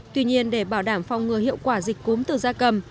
tuy nhiên để bảo đảm phong ngừa hiệu quả dịch cúm từ gia cầm